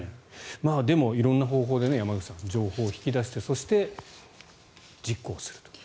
でも、色んな方法で情報を引き出してそして、実行するという。